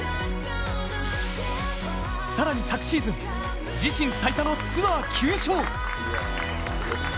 さらに昨シーズン、自身最多のツアー９勝。